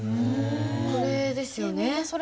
これですよね。